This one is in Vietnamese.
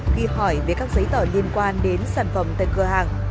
khi hỏi về các giấy tờ liên quan đến sản phẩm tại cửa hàng